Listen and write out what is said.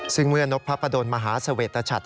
ซึ่งเมื่อนกพพะดนตร์มหาเสวตชัตต์